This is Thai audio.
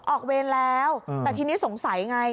เวรแล้วแต่ทีนี้สงสัยไง